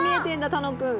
楽くん。